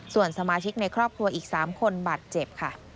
ส่วนสมาชิกในครอบครัวอีก๓คนบาดเจ็บค่ะ